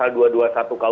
bahwa dia sangat usahak